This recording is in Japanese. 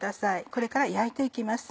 これから焼いて行きます。